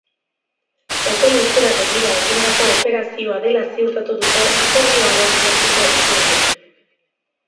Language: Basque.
Epe luzera begira egindako operazioa dela ziurtatu dute akordioaren gertuko iturriek.